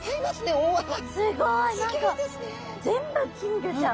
すごい！何か全部金魚ちゃん。